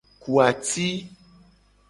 E ku ati.